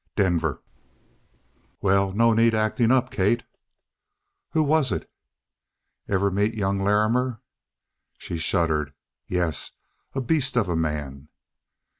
"Denver!" "Well? No need of acting up, Kate." "Who was it?" "Ever meet young Larrimer?" She shuddered. "Yes. A beast of a man."